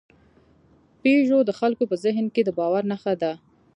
پيژو د خلکو په ذهن کې د باور نښه ده.